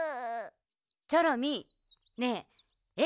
チョロミーねええ